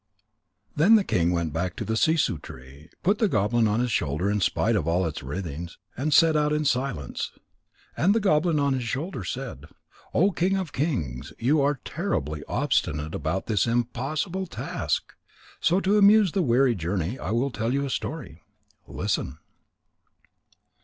_ Then the king went back to the sissoo tree, put the goblin on his shoulder in spite of all its writhings, and set out in silence. And the goblin on his shoulder said: "O king of kings, you are terribly obstinate about this impossible task. So to amuse the weary journey I will tell a story. Listen."